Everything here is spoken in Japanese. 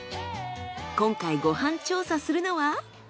今回ご飯調査するのは？